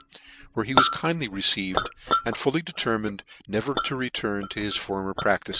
re, where he was kindly received, . and fully .de:er jnined never to return to his former practices.